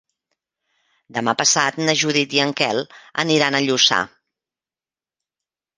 Demà passat na Judit i en Quel aniran a Lluçà.